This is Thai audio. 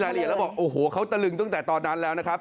เขามีรายละเอียดแล้วบอกโอ้โหเขาตะลึงตั้งแต่ตอนนั้นแล้วนะครับ